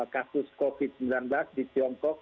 kasus covid sembilan belas di tiongkok